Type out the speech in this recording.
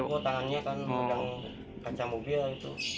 tidak tangannya kan menggunakan kaca mobil itu